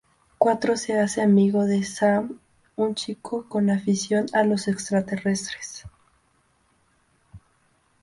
Cuatro se hace amigo de Sam, un chico con afición a los extraterrestres.